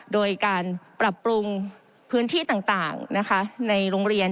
โดยการปรับปรุงพื้นที่ต่างในโรงเรียน